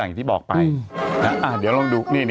มันติดคุกออกไปออกมาได้สองเดือน